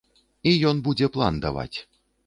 І ён будзе план даваць.